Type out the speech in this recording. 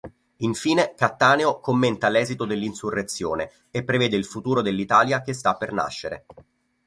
Infine Cattaneo commenta l’esito dell’insurrezione e prevede il futuro dell’Italia che sta per nascere.